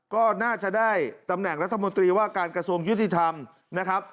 ก็น่าจะได้ตำแหน่งรัฐมนตรีว่าการกระทรวงยุติธรรมนะครับ